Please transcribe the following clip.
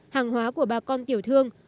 hàng hóa của bà con tiểu thương